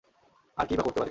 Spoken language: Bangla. আর কীই বা করতে পারি?